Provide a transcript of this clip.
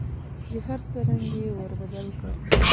د هر څه رنګ یې ور بدل کړ .